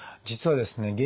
実はですね